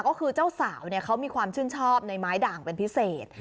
ก็คือเจ้าสาวเนี่ยเขามีความชื่นชอบในไม้ด่างเป็นพิเศษ